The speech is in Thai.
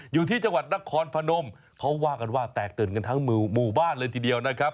อยู่ที่จังหวัดนครพนมเขาว่ากันว่าแตกตื่นกันทั้งหมู่บ้านเลยทีเดียวนะครับ